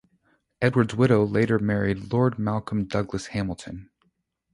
Edward's widow later married Lord Malcolm Douglas-Hamilton.